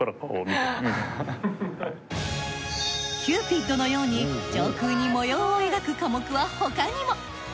キューピッドのように上空に模様を描く課目は他にも。